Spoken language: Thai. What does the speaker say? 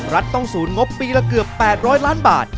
รัฐต้องศูนย์งบปีละเกือบ๘๐๐ล้านบาท